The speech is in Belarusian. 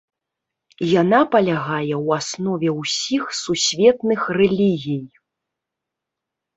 Яна палягае ў аснове ўсіх сусветных рэлігій.